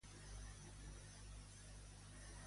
Pots posar l'audiollibre "Els angles morts"?